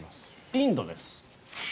インドです。